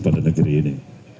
pada negeri ini